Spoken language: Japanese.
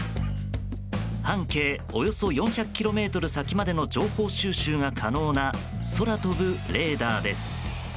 半径およそ４００ｋｍ先までの情報収集が可能な空飛ぶレーダーです。